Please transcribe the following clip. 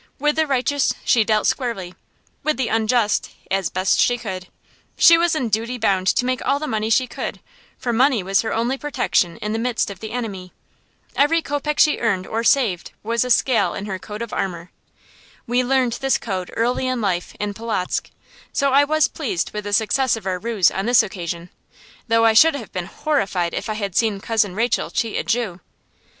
With the righteous she dealt squarely; with the unjust, as best she could. She was in duty bound to make all the money she could, for money was her only protection in the midst of the enemy. Every kopeck she earned or saved was a scale in her coat of armor. We learned this code early in life, in Polotzk; so I was pleased with the success of our ruse on this occasion, though I should have been horrified if I had seen Cousin Rachel cheat a Jew.